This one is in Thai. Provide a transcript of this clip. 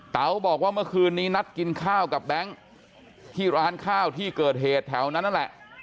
เต๋าบอกว่าเมื่อคืนนี้นัดกินข้าวกับแบงค์ที่ร้านข้าวที่เกิดเหตุแถวนั้นนั่นแหละ